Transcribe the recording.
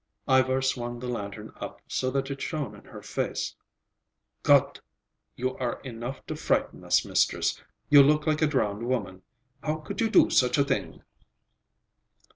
Ivar swung the lantern up so that it shone in her face. "Gud! You are enough to frighten us, mistress. You look like a drowned woman. How could you do such a thing!"